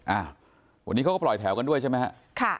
อันนี้เขาก็ปล่อยแถวกันด้วยใช่ไหม